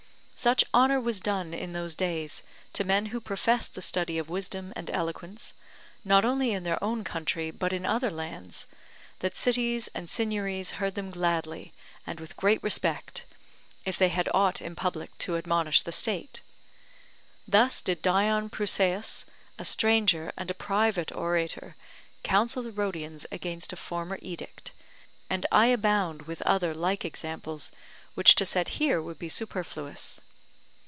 Such honour was done in those days to men who professed the study of wisdom and eloquence, not only in their own country, but in other lands, that cities and signiories heard them gladly, and with great respect, if they had aught in public to admonish the state. Thus did Dion Prusaeus, a stranger and a private orator, counsel the Rhodians against a former edict; and I abound with other like examples, which to set here would be superfluous.